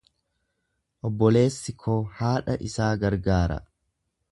Obboleessi koo haadha isaa gargaara.